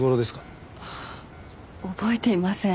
ああ覚えていません。